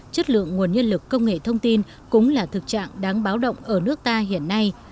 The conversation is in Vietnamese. chất lượng nguồn nhân lực công nghệ thông tin cũng là thực trạng đáng báo động ở nước ta hiện nay